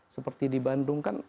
seperti di bandung kan